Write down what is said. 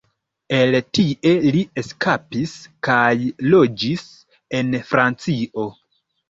El tie li eskapis kaj loĝis en Francio.